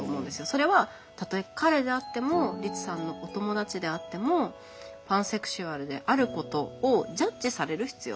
それはたとえ彼であってもリツさんのお友達であってもパンセクシュアルであることをジャッジされる必要もない。